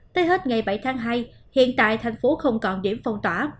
tới hết ngày bảy tháng hai hiện tại thành phố không còn điểm phong tỏa